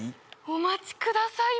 「お待ちください